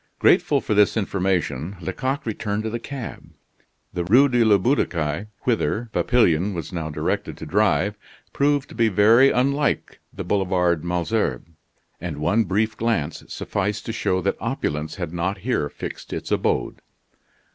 Grateful for this information, Lecoq returned to the cab. The Rue de la Butte aux Cailles, whither Papillon was now directed to drive, proved to be very unlike the Boulevard Malesherbes, and one brief glance sufficed to show that opulence had not here fixed its abode.